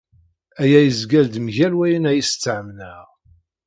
Aya yezga-d mgal wayen ayyes ttamneɣ.